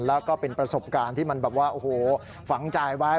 แล้วก็เป็นประสบการณ์ที่มันแบบว่าโอ้โหฝังใจไว้